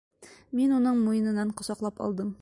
Мин уның муйынынан ҡосаҡлап алдым.